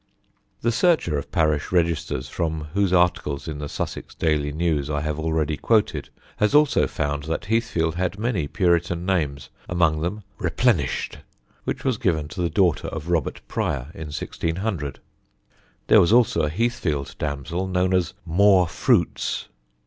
The searcher of parish registers from whose articles in the Sussex Daily News I have already quoted, has also found that Heathfield had many Puritan names, among them "Replenished," which was given to the daughter of Robert Pryor in 1600. There was also a Heathfield damsel known as "More Fruits."